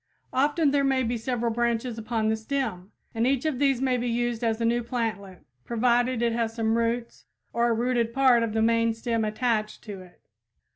Often there may be several branches upon the stem, and each of these may be used as a new plantlet provided it has some roots or a rooted part of the main stem attached to it.